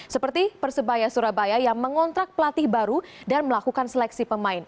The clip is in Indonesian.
seperti persebaya surabaya yang mengontrak pelatih baru dan melakukan seleksi pemain